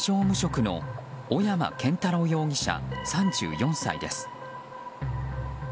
無職の小山健太郎容疑者、３４歳です。